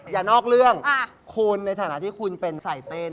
อย่านอกเรื่องคุณในฐานะที่คุณเป็นสายเต้น